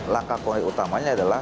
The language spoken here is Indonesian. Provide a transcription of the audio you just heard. langkah konkret utamanya adalah